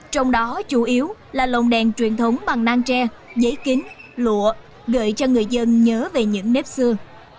trong đó chủ yếu là lồng đèn truyền thống bằng nang tre giấy kính lụa gợi cho người dân nhớ về những nếp xưa